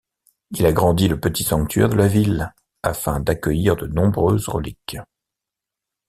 Il agrandit le petit sanctuaire de la ville afin d’accueillir de nombreuses reliques.